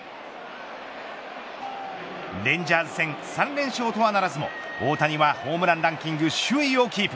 レンジャーズ戦３連勝とはならずも、大谷はホームランランキング首位をキープ。